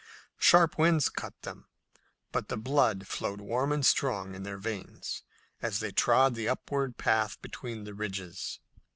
Sharp winds cut them, but the blood flowed warm and strong in their veins as they trod the upward path between the ridges.